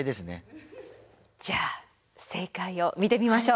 じゃあ正解を見てみましょう。